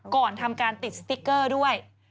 ก่อนทำการติดสติ๊กเกอร์ด้วย